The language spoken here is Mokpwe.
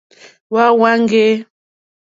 Hwá hwáŋɡè.